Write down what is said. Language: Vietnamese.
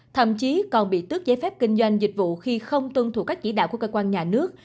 thậm chí còn bị tước giấy phép kinh doanh dịch vụ khi không tuân thủ các chỉ đạo của cơ quan nhà nước